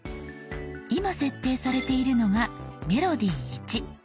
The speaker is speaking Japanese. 今設定されているのが「メロディ０１」。